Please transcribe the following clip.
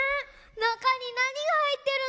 なかになにがはいってるんだろう。